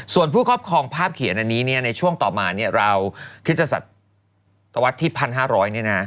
ส่วนผู้ครอบครองภาพเขียนอันนี้ในช่วงต่อมาเราคิดจะสัดตะวัดที่๑๕๐๐นี่นะ